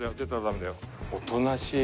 おとなしい。